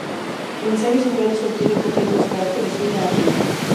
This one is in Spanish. El mensaje cifrado se obtiene cogiendo los caracteres fila a fila.